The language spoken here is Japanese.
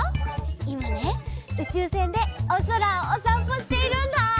いまねうちゅうせんでおそらをおさんぽしているんだ。